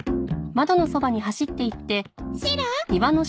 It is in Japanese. シロ！